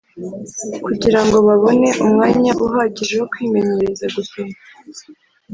kugira ngo babone umwanya uhagije wo kwimenyereza gusoma.